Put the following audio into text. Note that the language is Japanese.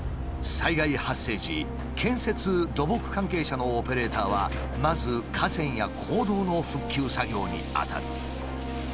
災害発生時建設土木関係者のオペレーターはまず河川や公道の復旧作業に当たる。